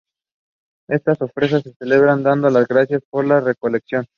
Estas ofrendas se celebran dando las gracias por la recolección.